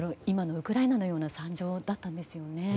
今のウクライナのような惨状だったんですよね。